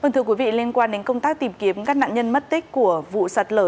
vâng thưa quý vị liên quan đến công tác tìm kiếm các nạn nhân mất tích của vụ sạt lở